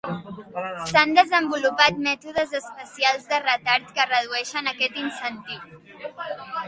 S'han desenvolupat mètodes especials de retard que redueixen aquest incentiu.